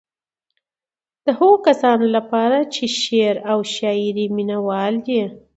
د هغو کسانو لپاره چې د شعر او شاعرۍ مينوال دي.